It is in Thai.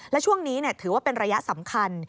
และช่วงนี้ถือว่าเป็นระยะสำคัญ